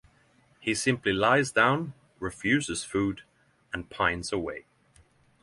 He simply lies down, refuses food, and pines away.